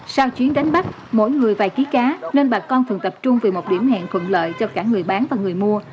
sau chuyến đánh bắt mỗi người vài ký cá nên bà con thường tập trung về một điểm hẹn thuận lợi cho cả người bán và người mua